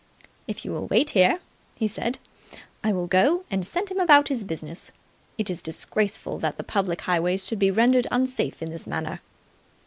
"If you will wait here," he said, "I will go and send him about his business. It is disgraceful that the public highways should be rendered unsafe in this manner."